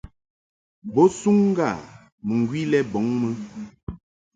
Bo suŋ ŋga mɨŋgwi lɛ bɔŋ mɨ.